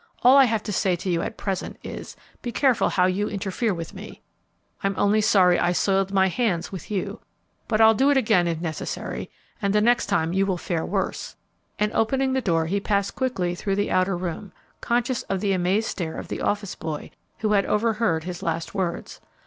all I have to say to you at present is, be careful how you interfere with me! I'm only sorry I soiled my hands with you, but I'll do it again if necessary; and the next time you will fare worse!" and, opening the door, he passed quickly through the outer room, conscious of the amazed stare of the office boy, who had overheard his last words.